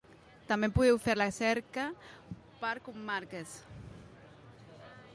També podeu fer la cerca per comarques.